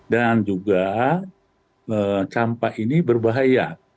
dan juga campak ini berbahaya